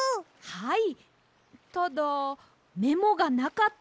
はい。